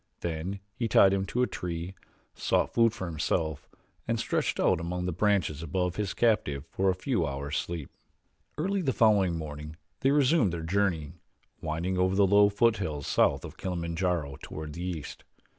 Then he tied him to a tree, sought food for himself, and stretched out among the branches above his captive for a few hours' sleep. Early the following morning they resumed their journey, winding over the low foothills south of Kilimanjaro, toward the east.